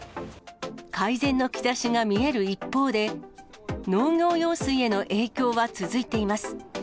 改善の兆しが見える一方で、農業用水への影響は続いています。